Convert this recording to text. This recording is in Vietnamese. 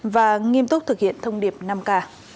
và nghiêm túc thực hiện thông điệp năm k